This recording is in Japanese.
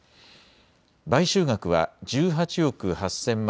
買収額は１８億８０００万